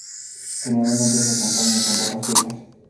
Generalmente se acompaña con papas fritas.